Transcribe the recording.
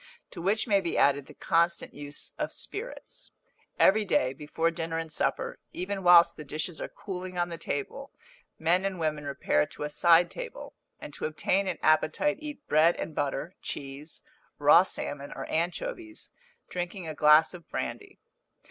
To which may be added the constant use of spirits. Every day, before dinner and supper, even whilst the dishes are cooling on the table, men and women repair to a side table; and to obtain an appetite eat bread and butter, cheese, raw salmon, or anchovies, drinking a glass of brandy.